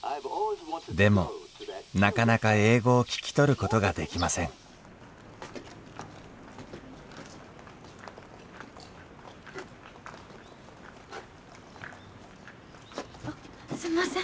でもなかなか英語を聞き取ることができませんあっすんません。